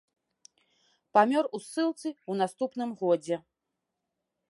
Памёр у ссылцы ў наступным годзе.